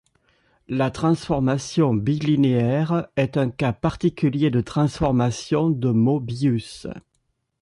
La transformation bilinéaire est un cas particulier de transformation de Möbius.